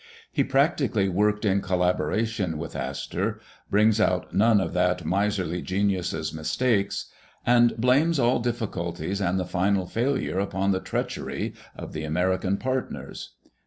He practically worked in collaboration with Astor, brings out none of that miserly genius's mistakes, and blames all difficulties and the final failure upon the " treachery " of the Ameri can partners.